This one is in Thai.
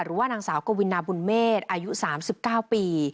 หรือว่านางสาวกวินาบุญเมษอายุ๓๙ปี